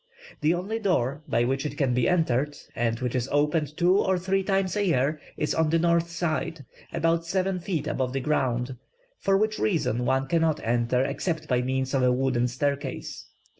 The only door by which it can be entered, and which is opened two or three times a year, is on the north side, about seven feet above the ground, for which reason one cannot enter except by means of a wooden staircase.